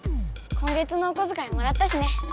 今月のおこづかいもらったしね。